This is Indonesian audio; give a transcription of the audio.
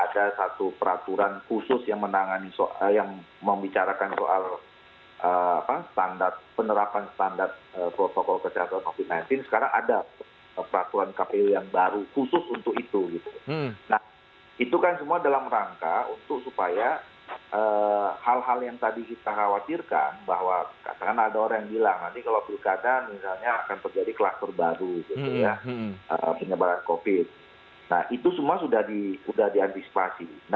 mas agus melas dari direktur sindikasi pemilu demokrasi